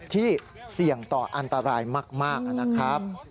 ที่เสี่ยงต่ออันตรายมากนะครับ